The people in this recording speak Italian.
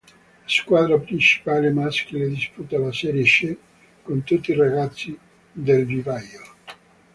La squadra principale maschile disputa la serie C con tutti ragazzi del vivaio.